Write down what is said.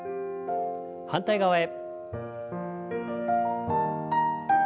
反対側へ。